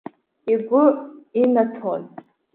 Игәы инаҭон.